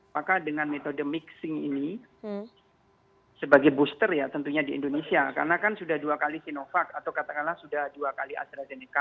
maka dengan metode mixing ini sebagai booster ya tentunya di indonesia karena kan sudah dua kali sinovac atau katakanlah sudah dua kali astrazeneca